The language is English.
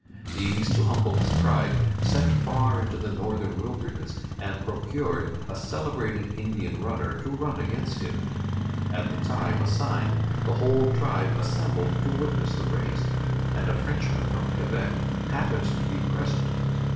These, to humble his pride, sent far into the northern wilderness, and procured a celebrated Indian runner, to run against him. At the time assigned, the whole tribe assembled to witness the race; and a Frenchman, from Quebec, happened to be present.